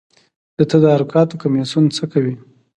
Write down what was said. د تدارکاتو کمیسیون څه کوي؟